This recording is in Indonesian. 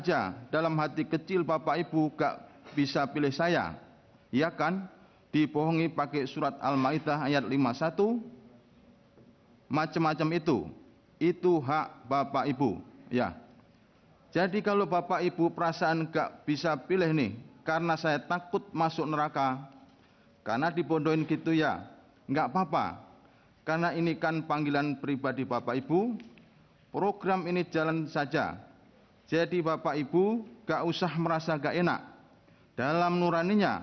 ada satu ratus tujuh belas macam barang bukti yang rinciannya